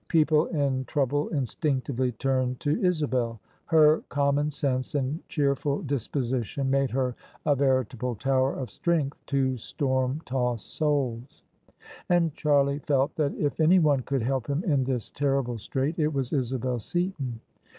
People in trouble instinctively turned to Isabel : her common sense and cheerful disposition made her a veritable tower of strength to storm tossed souls: and Charlie felt that if any one could help him in this terrible strait it was Isabel Seaton.